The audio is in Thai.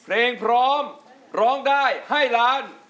เพลงพร้อมร้องได้ให้ล้าน